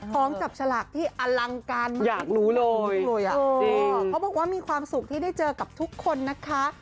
ของจับฉลากที่อลังการอยากรู้เลยอ่ะเขาบอกว่ามีความสุขที่ได้เจอกับทุกคนนะคะ